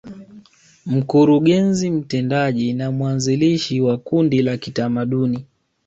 Mkurugenzi Mtendaji na mwanzilishi wa Kundi la kitamaduni